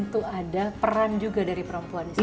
untuk ada peran juga dari perempuan di sana